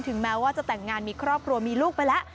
แม้ว่าจะแต่งงานมีครอบครัวมีลูกไปแล้ว